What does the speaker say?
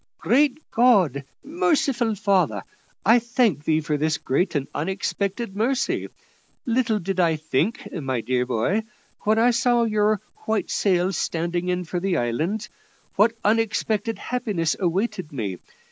"Great God! Merciful Father! I thank Thee for this great and unexpected mercy. Little did I think, my dear boy, when I saw your white sails standing in for the island, what unexpected happiness awaited me.